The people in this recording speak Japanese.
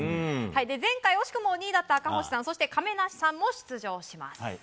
前回惜しくも２位だった赤星さんそして亀梨さんも出場します。